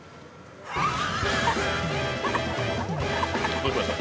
どうしました？